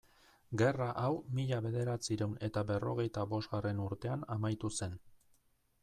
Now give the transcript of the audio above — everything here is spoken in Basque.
Gerra hau mila bederatziehun eta berrogeita bosgarren urtean amaitu zen.